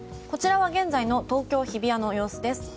こちらは現在の東京・日比谷の様子です。